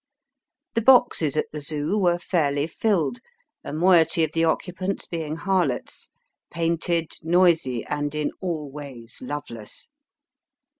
The hoxes at the Zoo were fairly filled, a moiety of the occupants being harlots, painted, noisy, and in all ways loveless.